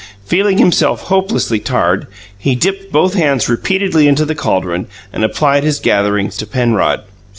Feeling himself hopelessly tarred, he dipped both hands repeatedly into the caldron and applied his gatherings to Penrod.